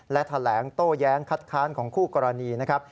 และแถลงโต้แย้งคัดค้านของคู่กรณีนะครับ